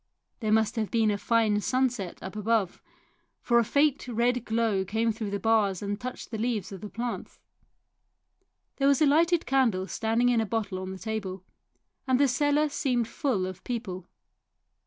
There must have been a fine sunset up above, for a faint red glow came through the bars and touched the leaves of the plants. There was a lighted candle standing in a bottle on the table, and the cellar seemed full of people.